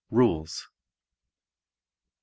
RULES 1.